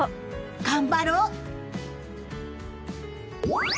頑張ろう！